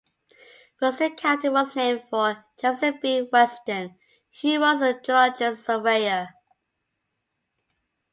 Weston County was named for Jefferson B. Weston, who was a geologist and surveyor.